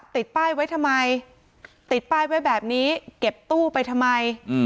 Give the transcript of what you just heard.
ติดป้ายไว้ทำไมติดป้ายไว้แบบนี้เก็บตู้ไปทำไม